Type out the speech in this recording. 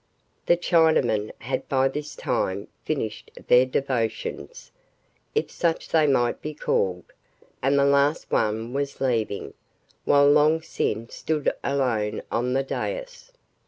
The Chinamen had by this time finished their devotions, if such they might be called, and the last one was leaving, while Long Sin stood alone on the dais.